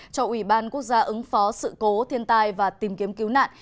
cho ủy ban quốc gia ứng phó sự cố thiên tai và tìm kiếm cứu nạn